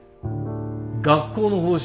学校の方針